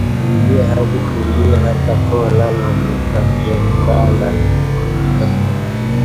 Nililia hadi ya kulia hata koo langu likafungana